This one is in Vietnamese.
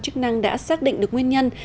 chức năng đã xác định được nguyên nhân